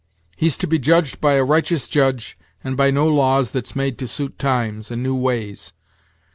he's to be judged by a righteous Judge, and by no laws that's made to suit times, and new ways.